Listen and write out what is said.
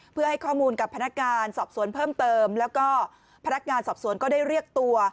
เพื่อให้ข้อมูลกับพนักงานสอบสวนเพิ่มเติมแล้วก็พนักงานสอบสวนก็ได้เรียกตัว